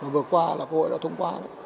vừa qua là quốc hội đã thông qua